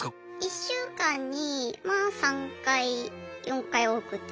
１週間にまあ３回４回多くて。